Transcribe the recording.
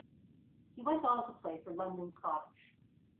He went on to play for London Scottish.